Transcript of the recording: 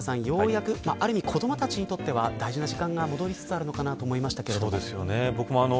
ようやく、ある意味子どもたちにとっては大事な時間が戻りつつあるのかなと思いましたけれども。